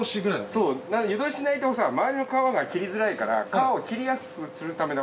そう湯通ししないとさ周りの皮が切りづらいから皮を切りやすくするための。